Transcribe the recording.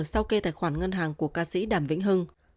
sau kê tài khoản ngân hàng của ca sĩ đàm vĩnh hưng